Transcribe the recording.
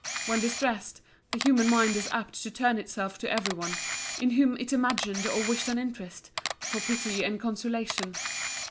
When distressed, the human mind is apt to turn itself to every one, in whom it imagined or wished an interest, for pity and consolation.